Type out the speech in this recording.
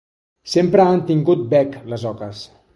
Sempre han tingut bec les oques.